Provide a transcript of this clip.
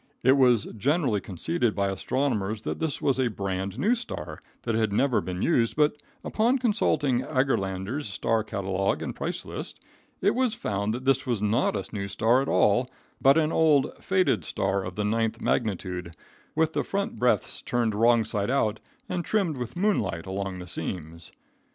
It was generally conceded by astronomers that this was a brand new star that had never been used, but upon consulting Argelander's star catalogue and price list it was found that this was not a new star at all, but an old, faded star of the ninth magnitude, with the front breadths turned wrong side out and trimmed with moonlight along the seams.